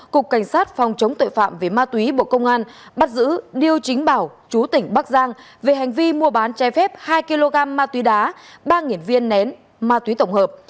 cục cảnh sát phòng chống tội phạm về ma túy bộ công an bắt giữ liêu chính bảo chú tỉnh bắc giang về hành vi mua bán chai phép hai kg ma túy đá ba viên nén ma túy tổng hợp